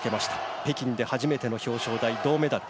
北京で初めての表彰台、銅メダル。